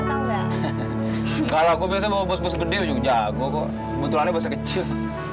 enggak kalau aku bisa bos bos gede ujung jago kok betulannya bisa kecil